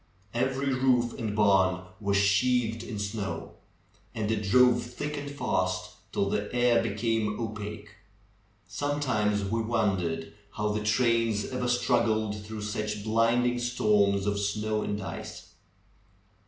Every roof and barn was sheathed in snow. And it drove thick and fast, till the air became opaque. Some times we w'ondered how' the trains ever struggled through such blinding storms of snow and ice.